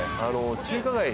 中華街。